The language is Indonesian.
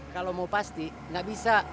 kalau mau pasti nggak bisa